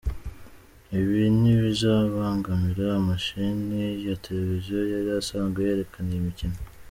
"Ibi ntibizabangamira amasheni ya televiziyo yari asanzwe yerekana iyi mikino.